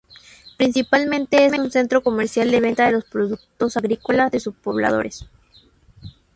Principalmente es un centro comercial de venta de los productos agrícolas de sus pobladores.